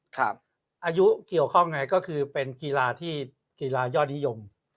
อายุเกี่ยวข้องไงก็คือเป็นกีฬาที่กีฬายอดนิยม